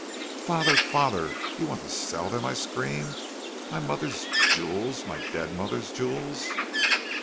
"'Father, father, you want to sell them,' I screamed. 'My mother's jewels; my dead mother's jewels!'